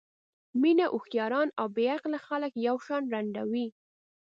مینه هوښیاران او بې عقله خلک یو شان ړندوي.